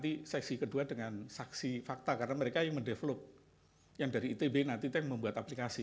ini dari kami yang mendevelop yang dari itb nanti yang membuat aplikasi